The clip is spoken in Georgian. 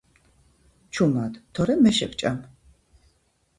ჩუმად თორემ მე შეგჭამ